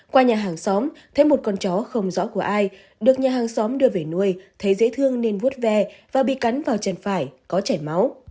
qua nhà hàng xóm thấy một con chó không rõ của ai được nhà hàng xóm đưa về nuôi thấy dễ thương nên vút ve và bị cắn vào chân phải có chảy máu